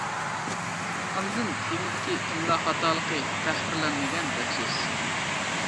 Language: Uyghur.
ئاندىن تېمىدىكى ئىملا خاتالىقى تەھرىرلەنمىگەن دەپسىز.